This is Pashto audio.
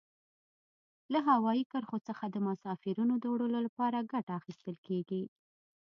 له هوایي کرښو څخه د مسافرینو د وړلو لپاره ګټه اخیستل کیږي.